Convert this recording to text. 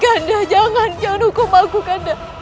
atas apa yang telah mereka lakukan